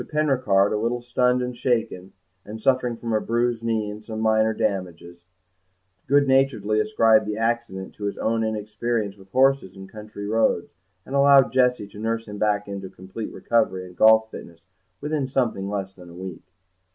Penricarde, a little stunned and shaken, and suffering from a bruised knee and some minor damages, good naturedly ascribed the accident to his own inexperience with horses and country roads, and allowed Jessie to nurse him back into complete recovery and golf fitness within something less than a week.